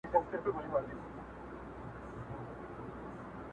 د کور کافرو درته څه ویلي دینه